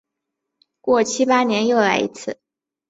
过七八年又来一次。